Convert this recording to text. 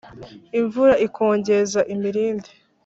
imvura ikongeza imirindi